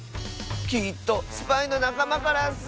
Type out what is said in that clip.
きっとスパイのなかまからッス！